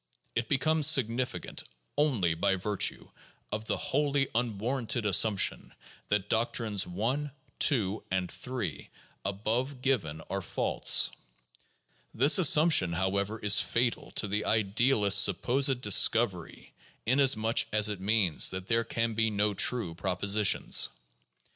It becomes significant only by virtue of the wholly unwarranted assumption that doctrines 1, 2, and 3, above given, are false. This assumption, however, is fatal to the idealist's supposed discovery, inasmuch as it means that there can be no true propositions.